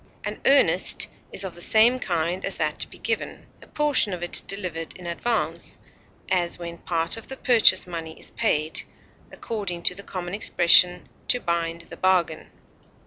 An earnest is of the same kind as that to be given, a portion of it delivered in advance, as when part of the purchase money is paid, according to the common expression, "to bind the bargain."